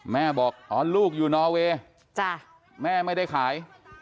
แม่บอกอ๋อลูกอยู่นอเวย์แม่ไม่ได้ขาย